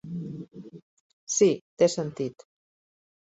Sí, té sentit.